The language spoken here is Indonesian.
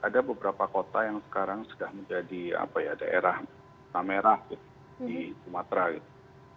ada beberapa kota yang sekarang sudah menjadi daerah merah di sumatera gitu